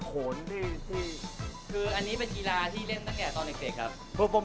ตอนเด็กครับ